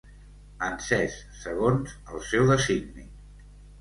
Encès, segons el seu designi.